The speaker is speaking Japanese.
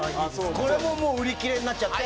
これももう売り切れになっちゃって。